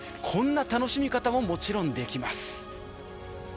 こんな楽しみ方ももちろんできます。